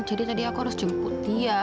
jadi tadi aku harus jemput dia